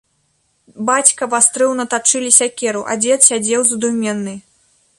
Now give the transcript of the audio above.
Бацька вастрыў на тачыле сякеру, а дзед сядзеў задуменны.